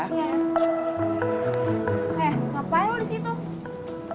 eh ngapain lo disitu